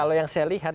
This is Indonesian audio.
kalau yang saya lihat